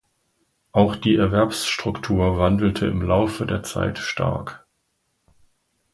Auch die Erwerbsstruktur wandelte im Laufe der Zeit stark.